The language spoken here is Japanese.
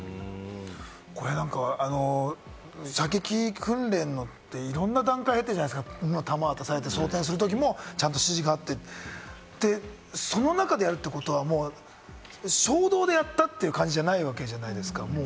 これ、射撃訓練のいろんな段階を経てるじゃないですか、弾を渡されて装てんするときも指示があって、その中でやるってことは、衝動でやったという感じじゃないわけじゃないですか。